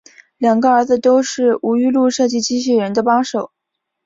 两个儿子都是吴玉禄设计机器人的帮手。